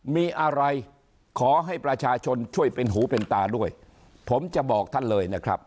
มีอะไรขอให้ประชาชนช่วยเป็นหูเป็นตาด้วยผมจะบอกท่านเลยนะครับ